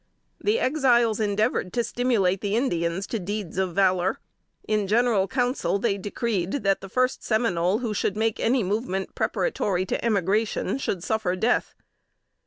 The Exiles endeavored to stimulate the Indians to deeds of valor. In general council, they decreed that the first Seminole who should make any movement preparatory to emigration, should suffer death.